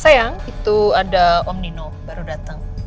sayang itu ada om nino baru dateng